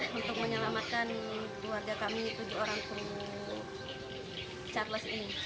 untuk menyelamatkan keluarga kami tujuh orang tujuh